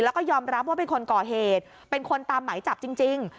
แล้วก็ยอมรับว่าเป็นคนก่อเหตุเป็นคนตามหมายจับจริง